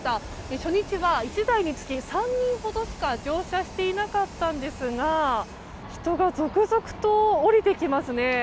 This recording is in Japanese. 初日は１台につき３人ほどしか乗車していなかったんですが人が続々と降りてきますね。